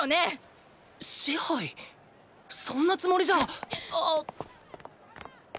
そんなつもりじゃあぁ！